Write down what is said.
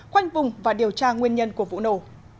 khoanh vùng và điều tra nguyên nhân của vụ nổ